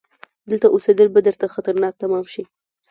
دلته اوسيدل به درته خطرناک تمام شي!